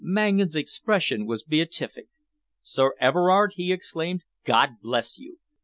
Mangan's expression was beatific. "Sir Everard," he exclaimed, "God bless you!